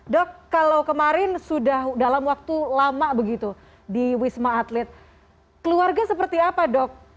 dok kalau kemarin sudah dalam waktu lama begitu di wisma atlet keluarga seperti apa dok